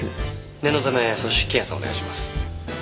念のため組織検査をお願いします。